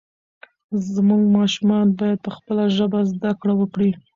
زموږ ماشومان باید په خپله ژبه زده کړه وکړي.